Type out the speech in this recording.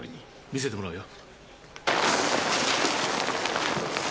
見せてもらうよ。